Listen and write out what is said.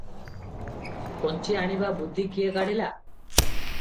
କଞ୍ଚି ଆଣିବା ବୁଦ୍ଧି କିଏ କାଢ଼ିଲା?